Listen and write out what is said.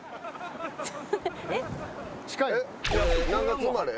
何月生まれ？